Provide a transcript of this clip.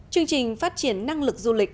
chương trình phát triển năng lực du lịch